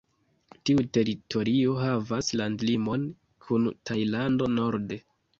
Tiu teritorio havas landlimon kun Tajlando norde.